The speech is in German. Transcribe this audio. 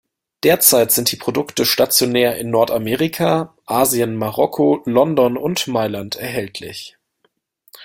Derzeit sind die Produkte stationär in Nordamerika, Asien, Marokko, London und Mailand erhältlich.